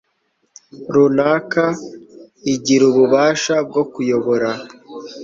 runaka igira ububasha bwo kuyobora